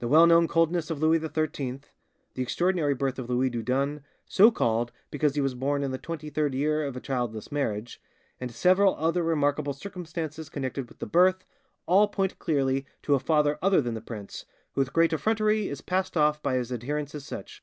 The well known coldness of Louis XIII; the extraordinary birth of Louis Dieudonne, so called because he was born in the twenty third year of a childless marriage, and several other remarkable circumstances connected with the birth, all point clearly to a father other than the prince, who with great effrontery is passed off by his adherents as such.